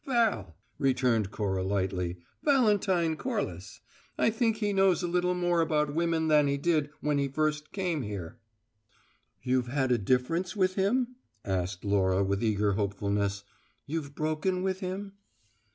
"Val," returned Cora lightly; "Valentine Corliss. I think he knows a little more about women than he did when he first came here." "You've had a difference with him?" asked Laura with eager hopefulness. "You've broken with him?"